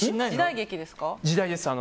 時代劇ですか？